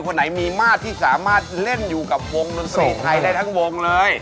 คนไหนมีมาตรที่สามารถเล่นอยู่กับวงดนตรีไทยได้ทั้งวงเลย